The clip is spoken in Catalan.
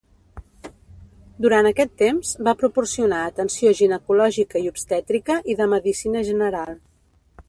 Durant aquest temps va proporcionar atenció ginecològica i obstètrica i de medicina general.